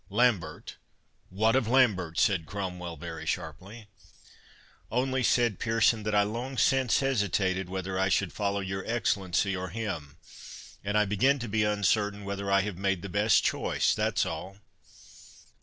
"Lambert! What of Lambert?" said Cromwell, very sharply. "Only," said Pearson, "that I long since hesitated whether I should follow your Excellency or him—and I begin to be uncertain whether I have made the best choice, that's all."